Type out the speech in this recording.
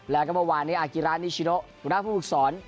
แล้วก็เมื่อวานนี้อากิราศนิชโรสุนัขผู้ฝึกศร